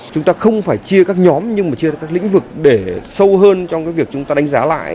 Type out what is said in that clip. chúng ta không phải chia các nhóm nhưng mà chia ra các lĩnh vực để sâu hơn trong cái việc chúng ta đánh giá lại